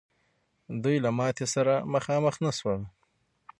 دوی له ماتي سره مخامخ نه سول.